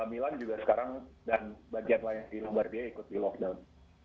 milan juga sekarang dan bagian lain di lombardia ikut di lockdown